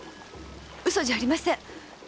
ウソじゃありません！